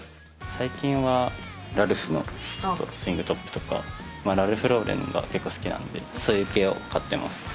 最近は、ラルフのちょっと、スイングトップとか、ラルフローレンが結構好きなので、そういう系を買ってます。